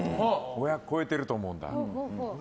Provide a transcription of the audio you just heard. ５００超えてると思うんだ。